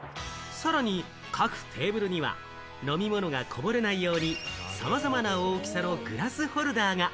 さらに各テーブルには飲み物がこぼれないようにさまざまな大きさのグラスホルダーが。